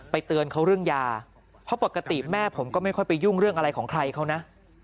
เตือนเขาเรื่องยาเพราะปกติแม่ผมก็ไม่ค่อยไปยุ่งเรื่องอะไรของใครเขานะ